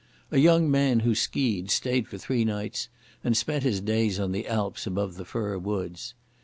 A young man who ski ed stayed for three nights and spent his days on the alps above the fir woods.